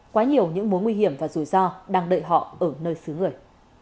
quá nhiều những mối nguy hiểm và rủi ro đang đợi họ ở nơi xứ người